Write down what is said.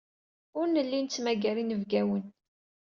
Ur nelli nettmagar inebgawen.